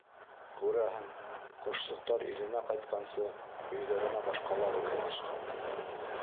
Күрәһең, ҡошсоҡтар иленә ҡайтҡансы, өйҙәренә башҡалар урынлашҡан.